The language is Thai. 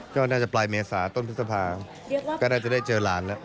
ก็น่าจะปลายเมษาต้นพฤษภาก็น่าจะได้เจอหลานแล้ว